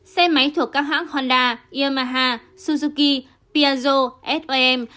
xe máy thuộc các hãng honda yamaha suzuki piaggio som